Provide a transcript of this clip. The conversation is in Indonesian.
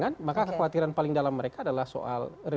memang mbak pema'ja dipilihin sama mbak anies mbak pasturi